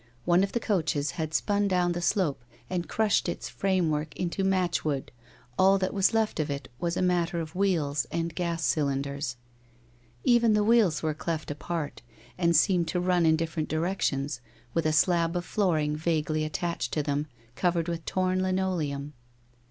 One of the coaches had spun down the slope and crushed its frame work into match wood, all that was left of it was a matter of wheels and gas cylinders. Even the wheels were cleft apart and seemed to run in different directions, with a slab of flooring vaguely attached to them, covered with torn lineoleum.